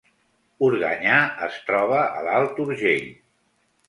Organyà es troba a l’Alt Urgell